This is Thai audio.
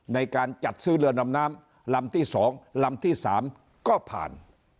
ในการจัดซื้อเรือดำน้ำลำที่๒ลำที่๓ก็ผ่าน